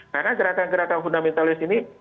karena gerakan gerakan fundamentalis ini